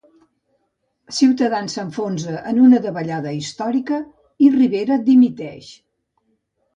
Ciutadans s'enfonsa en una davallada històrica i Rivera dimiteix